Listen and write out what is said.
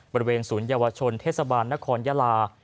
บริเวณศูนยวชนเทศบาลนครยาลา